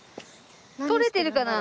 撮れてるかな？